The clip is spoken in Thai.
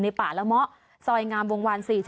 ในป่าละมะซอยงามวงวาน